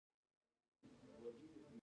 ایا ستاسو خوب پوره دی؟